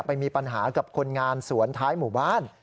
ไปมีปัญหากับคนงานสวนท้ายหมู่บ้าน